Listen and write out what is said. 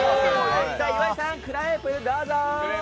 岩井さん、クレープどうぞ！